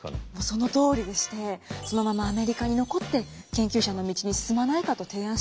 そのとおりでしてそのままアメリカに残って研究者の道に進まないかと提案したそうなんです。